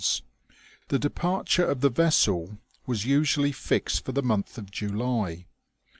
The departure of the vessel was usually fixed for the month of July.